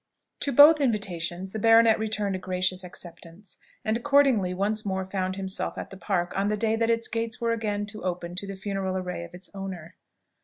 To both invitations the baronet returned a gracious acceptance, and accordingly once more found himself at the Park on the day that its gates were again to open to the funeral array of its owner.